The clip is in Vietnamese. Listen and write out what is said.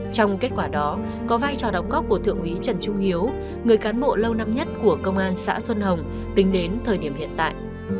trong kết quả đó có vai trò đóng góp của thượng úy trần trung hiếu người cán bộ lâu năm nhất của công an xã xuân hồng tính đến thời điểm hiện tại